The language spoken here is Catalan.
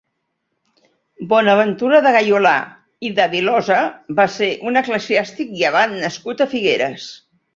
Bonaventura de Gayolà i de Vilosa va ser un eclesiàstic i abat nascut a Figueres.